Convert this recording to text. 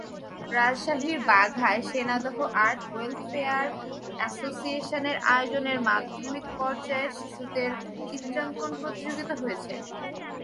রাজশাহীর বাঘায় সোনাদহ art welfare অ্যাসোসিয়েশনের আয়োজনে মাধ্যমিক পর্যায়ের শিশুদের চিত্রাঙ্কন প্রতিযোগিতা হয়েছে।